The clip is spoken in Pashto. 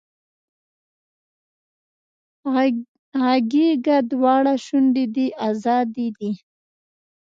غږېږه دواړه شونډې دې ازادې دي